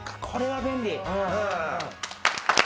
これは便利。